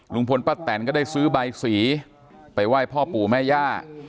ลุงพลป้าแตนก็ได้ซื้อใบสีไปไหว้พ่อปู่แม่ย่า